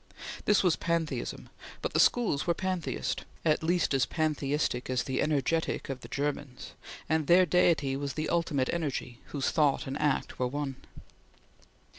This was pantheism, but the Schools were pantheist; at least as pantheistic as the Energetik of the Germans; and their deity was the ultimate energy, whose thought and act were one.